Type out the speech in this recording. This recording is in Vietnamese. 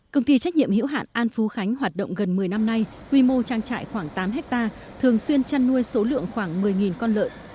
công ty trách nhiệm hữu hạn an phú khánh hoạt động gần một mươi năm nay quy mô trang trại khoảng tám hectare thường xuyên chăn nuôi số lượng khoảng một mươi con lợn